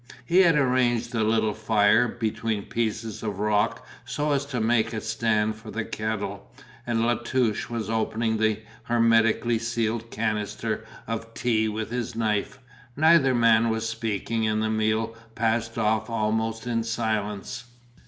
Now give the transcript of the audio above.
He had arranged the little fire between pieces of rock so as to make a stand for the kettle, and La Touche was opening the hermetically sealed canister of tea with his knife; neither man was speaking and the meal passed off almost in silence.